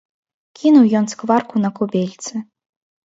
Кінуў ён скварку на кубельцы.